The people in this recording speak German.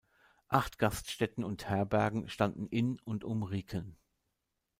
Acht Gaststätten und Herbergen standen in und um Ricken.